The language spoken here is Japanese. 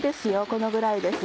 このぐらいです。